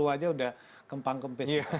aja udah kempang kempes